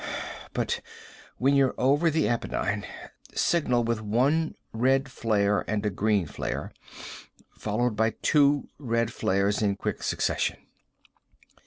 But when you're over the Appenine, signal with one red flare and a green flare, followed by two red flares in quick succession.